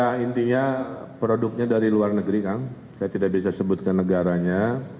ya intinya produknya dari luar negeri kan saya tidak bisa sebutkan negaranya